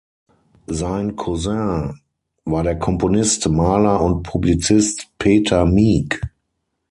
Sein Cousin war der Komponist, Maler und Publizist Peter Mieg.